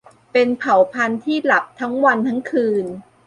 เป็นเผ่าพันธุ์ที่หลับทั้งวันทั้งคืน